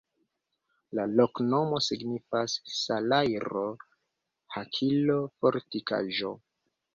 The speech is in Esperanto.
La loknomo signifas: salajro-hakilo-fortikaĵo.